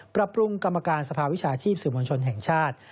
ปรับปรุงกรรมการสภาวิชาชีพสื่อมวลชนแห่งชาติ